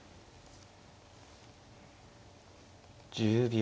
１０秒。